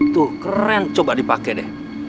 tuh keren coba dipakai deh